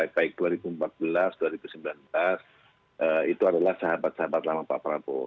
baik dua ribu empat belas dua ribu sembilan belas itu adalah sahabat sahabat lama pak prabowo